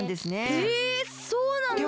へえそうなんだ。